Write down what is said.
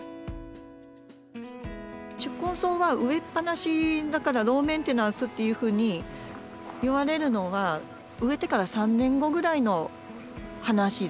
宿根草は植えっぱなしだからローメンテナンスというふうにいわれるのは植えてから３年後ぐらいの話です。